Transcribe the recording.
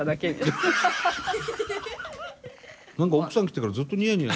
何か奥さん来てからずっとニヤニヤ。